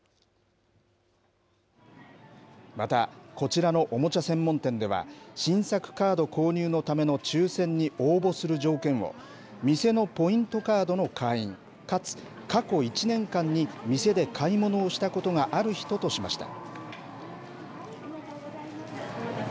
また、こちらのおもちゃ専門店では、新作カード購入のための抽せんに応募する条件を、店のポイントカードの会員、かつ過去１年間に店で買い物をしたことがある人としました。